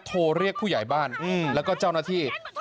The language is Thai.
โทรเรียกผู้ใหญ่บ้านแล้วก็เจ้าหน้าที่